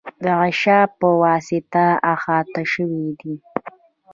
د غشا په واسطه احاطه شوی دی.